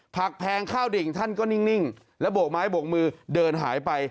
แพงข้าวดิ่งท่านก็นิ่งแล้วโบกไม้โบกมือเดินหายไป